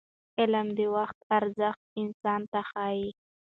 علم د وخت ارزښت انسان ته ښيي.